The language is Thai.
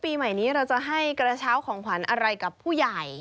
ปีใหม่นี้เราจะให้กระเช้าของขวัญอะไรกับผู้ใหญ่